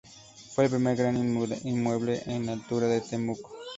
Fue el primer gran inmueble en altura de Temuco.